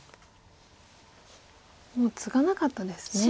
もうツガなかったですね。